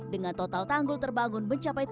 dengan total tanggul terbangun mencapai tujuh belas km